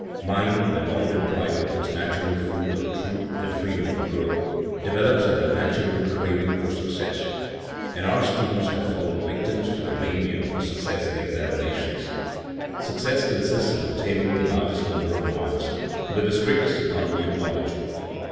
Mind, when long deprived of its natural food of truth and freedom of growth, develops an unnatural craving for success; and our students have fallen victims to the mania for success in examinations. Success consists in obtaining the largest number of marks with the strictest economy of knowledge.